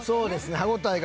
歯応えが麩。